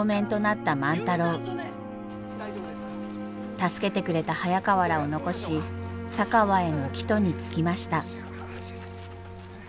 助けてくれた早川らを残し佐川への帰途につきました。